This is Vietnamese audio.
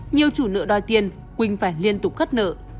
nhiều chủ nợ đòi tiền quỳnh phải liên tục khất nợ